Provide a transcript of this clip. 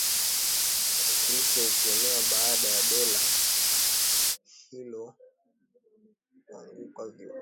na Ukristo ukaenea Baada ya dola hilo kuanguka Wavandali waliteka